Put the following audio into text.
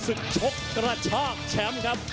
ชกกระชากแชมป์ครับ